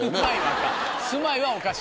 住まいはおかしい。